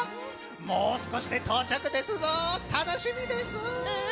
もう少しで到着ですぞ、楽しみです。